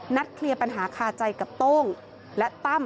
เคลียร์ปัญหาคาใจกับโต้งและตั้ม